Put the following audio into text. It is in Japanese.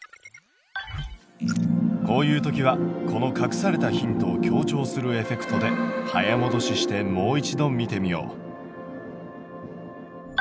こういう時はこの隠されたヒントを強調するエフェクトで早もどししてもう一度見てみよう。